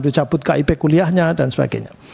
dicabut kip kuliahnya dan sebagainya